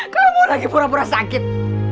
kamu lagi pura pura sakit